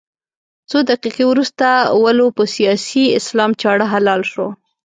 څو دقيقې وروسته ولو په سیاسي اسلام چاړه حلال شو.